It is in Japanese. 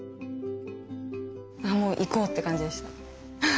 ああもう行こうって感じでした。